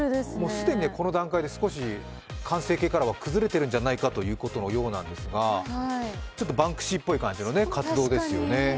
既にこの段階で少し完成形からは崩れてるんじゃないかということですがちょっとバンクシーっぽい感じの活動ですよね。